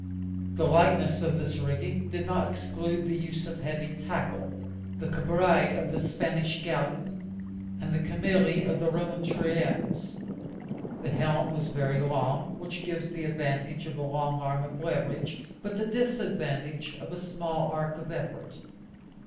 The lightness of this rigging did not exclude the use of heavy tackle, the cabrias of the Spanish galleon, and the cameli of the Roman triremes. The helm was very long, which gives the advantage of a long arm of leverage, but the disadvantage of a small arc of effort.